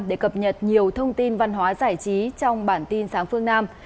để cập nhật nhiều thông tin văn hóa giải trí trong bản tin sáng phương nam